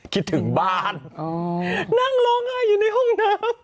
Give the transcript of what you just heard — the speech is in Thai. คิดถึงบ้านนั่งร้องไห้อยู่ในห้องน้ำ